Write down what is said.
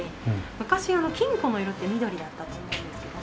昔金庫の色って緑だったと思うんですけども。